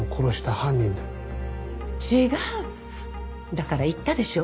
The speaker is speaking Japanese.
だから言ったでしょ。